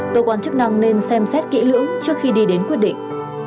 tổ quán chức năng nên xem xét kỹ lưỡng trước khi đi đến quyết định